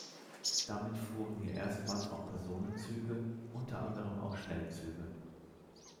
Damit fuhren hier erstmals auch Personenzüge, unter anderem auch Schnellzüge.